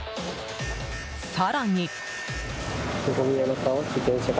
更に。